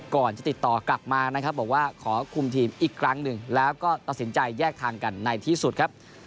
ก่อนจะติดต่อกลับมานะครับบอกว่าขอคุมทีมอีกครั้งหนึ่งแล้วก็ตัดสินใจแยกทางกันในที่สุดครับ